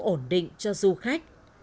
cơ sở ổn định cho du khách